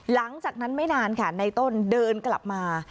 หลังจากนั้นไม่นานค่ะในต้นเดินกลับมา